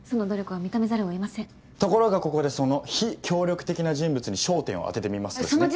ところがここでその「非協力的な人物」に焦点を当ててみますとですね。